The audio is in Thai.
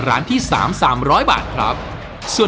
ปล่อยครับไปไปเร็ว